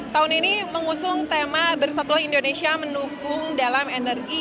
tahun ini mengusung tema bersatulah indonesia menukung dalam energi